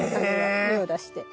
芽を出して。